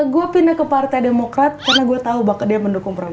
gue pindah ke partai demokrat karena gue tahu bahwa dia mendukung prabowo